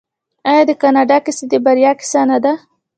آیا د کاناډا کیسه د بریا کیسه نه ده؟